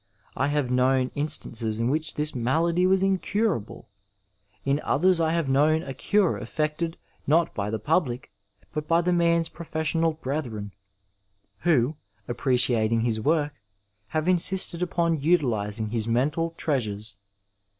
I have known instances in which this malady was incurable ; in others I have known a cure effected not by the public, but by the man's profes sional brethren, who, appreciating his work, have insisted upon utilizing his mental treasures.